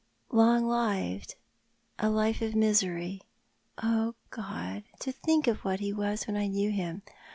" Loug lived, a life of misery ! Oh, God ! to think of what be was when I knew him!